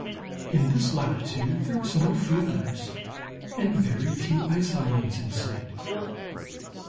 In this latitude there was no field ice, and very few ice islands in sight."